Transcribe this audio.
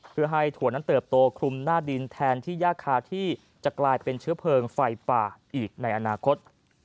เพื่อให้ถั่วนั้นเติบโตคลุมหน้าดินแทนที่ยากคาที่จะกลายเป็นเชื้อเพลิงไฟป่าอีกในอนาคต